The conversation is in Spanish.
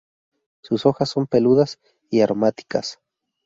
Sus hojas son peludas y aromáticas.